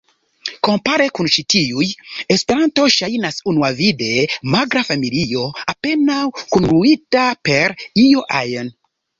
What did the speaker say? Kompare kun ĉi tiuj, Esperanto ŝajnas unuavide magra familio apenaŭ kungluita per io ajn.